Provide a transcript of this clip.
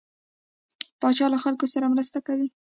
پاچا له خلکو سره مرسته کوي.